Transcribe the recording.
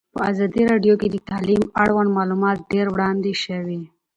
په ازادي راډیو کې د تعلیم اړوند معلومات ډېر وړاندې شوي.